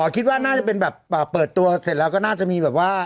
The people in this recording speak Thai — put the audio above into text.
คิดว่าน่าจะเป็นแบบเปิดตัวเสร็จแล้วก็น่าจะมีแบบว่า